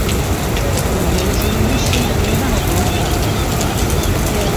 E mulleres e nenos sempre levan a peor parte.